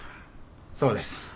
そうです。